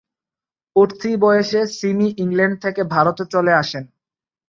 উঠতি বয়সে সিমি ইংল্যান্ড থেকে ভারতে চলে আসেন।